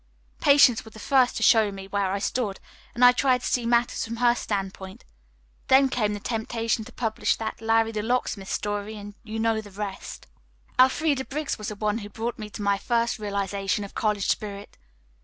Patience was the first to show me where I stood, and I tried to see matters from her standpoint. Then came the temptation to publish that 'Larry, the Locksmith' story, and you know the rest. "Elfreda Briggs was the one who brought me to my first realization of college spirit.